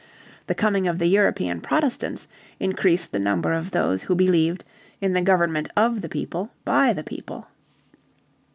The coming of the European Protestants increased the number of those who believed in the government of the people by the people.